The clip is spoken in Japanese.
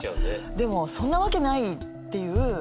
でもそんな訳ないっていう。